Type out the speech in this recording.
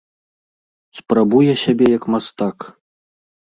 Спрабуе сябе як мастак.